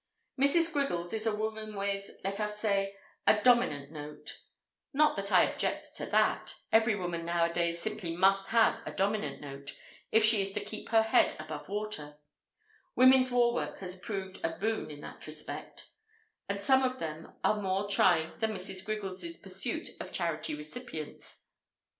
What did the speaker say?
Mrs. Griggles is a woman with, let us say, a dominant note; not that I object to that; every woman nowadays simply must have a dominant note if she is to keep her head above water (women's war work has proved a boon in that respect), and some of them are more trying than Mrs. Griggles' pursuit of charity recipients.